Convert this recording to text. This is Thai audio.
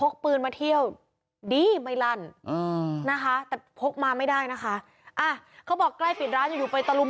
พกปืนมาเท่าดีป่ะรัน